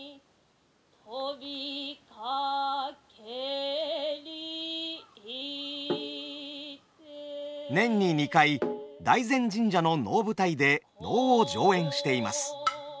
飛びかけりて年に２回大膳神社の能舞台で能を上演しています。